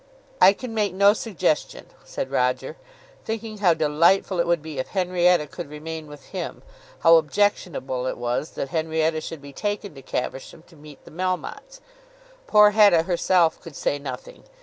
"I can make no suggestion," said Roger, thinking how delightful it would be if Henrietta could remain with him; how objectionable it was that Henrietta should be taken to Caversham to meet the Melmottes. Poor Hetta herself could say nothing.